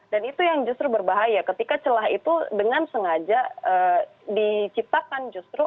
dan itu yang justru berbahaya ketika celah itu dengan sengaja diciptakan justru